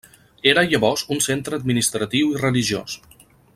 Era llavors un centre administratiu i religiós.